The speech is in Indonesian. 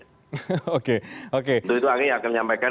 untuk itu anggi akan menyampaikan